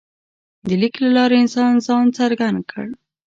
د لیک له لارې انسان ځان څرګند کړ.